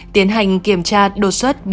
tiến hành kiểm tra đột xuất